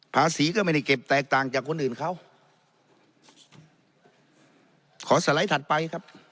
ภาษีก็ไม่ได้เก็บแตกต่างจากคนอื่นเขาขอสไลด์ถัดไปครับ